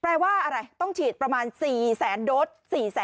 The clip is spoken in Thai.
แปลว่าอะไรต้องฉีดประมาณ๔แสนโดส